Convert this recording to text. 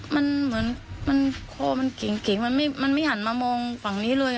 มันเหมือนมันคอมันเก่งมันไม่หันมามองฝั่งนี้เลย